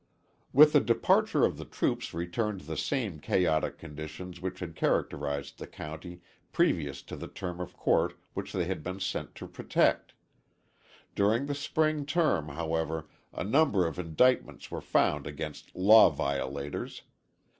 With the departure of the troops returned the same chaotic conditions which had characterized the county previous to the term of court which they had been sent to protect. During the spring term, however, a number of indictments were found against law violators.